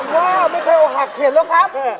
ว่าไม่เคยเอาหักเข็นแล้วครับ